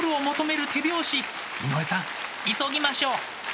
井上さん急ぎましょう！